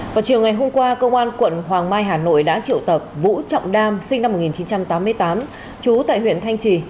vào chiều ngày hôm qua công an quận hoàng mai hà nội đã triệu tập vũ trọng nam sinh năm một nghìn chín trăm tám mươi tám trú tại huyện thanh trì